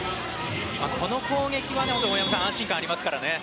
この攻撃は大山さん安心感ありますからね。